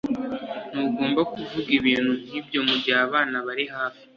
ntugomba kuvuga ibintu nkibyo mugihe abana bari hafi